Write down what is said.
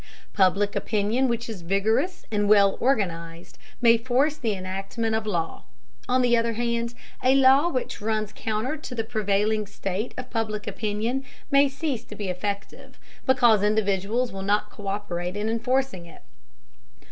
Public Opinion which is vigorous and well organized may force the enactment of law; on the other hand, a law which runs counter to the prevailing state of Public Opinion may cease to be effective, because individuals will not co÷perate in enforcing it.